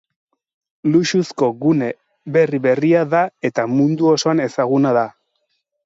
Luxuzko gune berri-berria da eta mundu osoan ezaguna da.